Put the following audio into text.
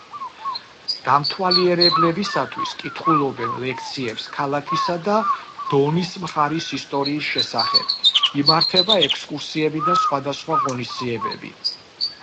დამთვალიერებლებისათვის კითხულობენ ლექციებს ქალაქისა და დონის მხარის ისტორიის შესახებ, იმართება ექსკურსიები და სხვადასხვა ღონისძიებები.